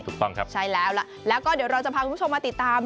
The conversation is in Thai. ถูกต้องครับใช่แล้วล่ะแล้วก็เดี๋ยวเราจะพาคุณผู้ชมมาติดตาม